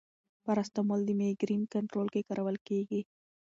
پاراسټامول د مېګرین کنټرول کې کارول کېږي.